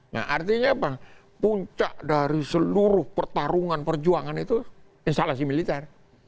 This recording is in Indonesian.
nah artinya apa puncak dari seluruh pertarungan perjuangan itu instalasi militer